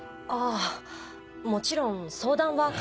あぁもちろん相談は。